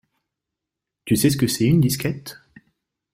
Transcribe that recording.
Tu sais ce que c'est une disquette?